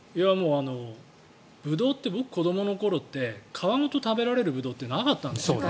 ブドウって僕の子どもの頃って皮ごと食べられるブドウってなかったんですよね。